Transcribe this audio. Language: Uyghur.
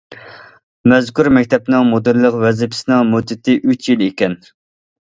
مەزكۇر مەكتەپنىڭ مۇدىرلىق ۋەزىپىسىنىڭ مۇددىتى ئۈچ يىل ئىكەن.